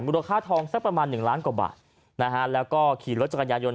มูลราคาทองสักประมาณ๑ล้านกว่าบาทแล้วก็ขี่รถจากการยานยนต์